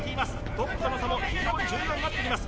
トップとの差も非常に重要になってきます